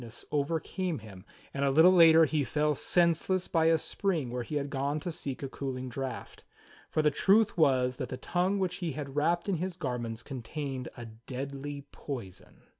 ] ness overcame him, and a little later he fell senseless by a spring where he had gone to seek a cooling draught; for the truth was that the tongue which he had wrapped in his garments contained a deadly poison.